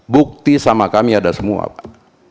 bukti sama kami ada semua pak